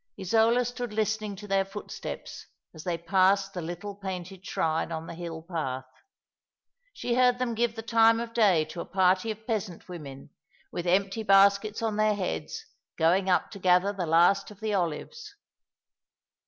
Isola stood listening to their footsteps, as they passed the little painted shrine on the hill path. She heard them give the time of day to a party of peasant women, with empty 242 All along the River, baskets on their heads, going np to gather the last of the olives.